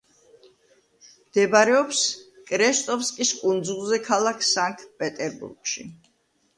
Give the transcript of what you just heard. მდებარეობს კრესტოვსკის კუნძულზე ქალაქ სანქტ-პეტერბურგში.